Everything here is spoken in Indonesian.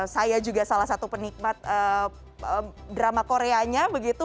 saya juga salah satu penikmat drama koreanya begitu